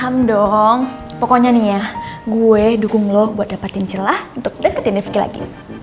paham dong pokoknya nih ya gue dukung lo buat dapetin celah untuk deketin deh laki laki